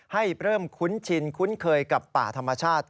ให้เริ่มคุ้นชินคุ้นเคยกับป่าธรรมชาติ